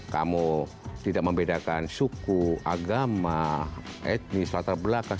kamu tidak membedakan suku agama etnis latar belakang